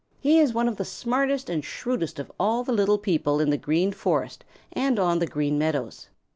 He is one of the smartest and shrewdest of all the little people in the Green Forest and on the Green Meadows.